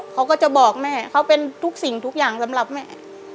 เขาก็จะบอกแม่เขาเป็นทุกสิ่งทุกอย่างสำหรับแม่